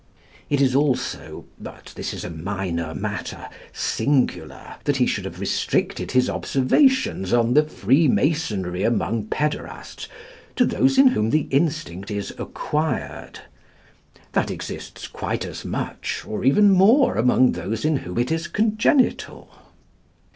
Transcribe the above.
It is also, but this is a minor matter, singular that he should have restricted his observations on the freemasonry among pæderasts to those in whom the instinct is acquired. That exists quite as much or even more among those in whom it is congenital.